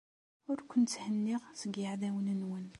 Ur ken-tthenniɣ seg yeɛdawen-nwen.